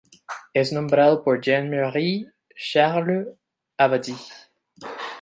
Es nombrado por Jean Marie Charles Abadie.